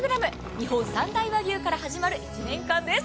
日本三大和牛から始まる１年間です。